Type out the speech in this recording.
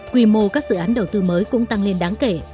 quy mô các dự án đầu tư mới cũng tăng lên đáng kể